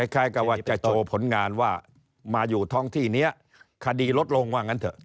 คล้ายกับว่าจะโชว์ผลงานว่ามาอยู่ท้องที่นี้คดีลดลงว่างั้นเถอะ